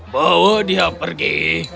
bawa dia pergi